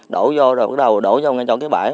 đổ vô rồi đầu đổ vô ngay trong cái bãi